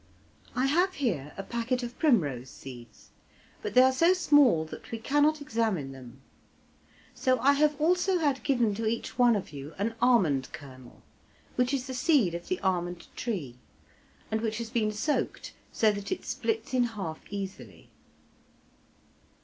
I have here a packet of primrose seeds, but they are so small that we cannot examine them; so I have also had given to each one of you an almond kernel, which is the seed of the almond tree, and which has been soaked, so that it splits in half easily.